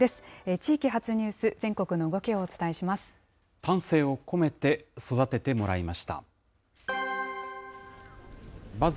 地域発ニュース、全国の動きをお伝えします。